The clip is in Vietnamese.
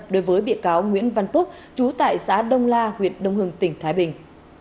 đối với bịa cáo nguyễn văn túc chú tại xã đông la huyện đông hương tỉnh thái bình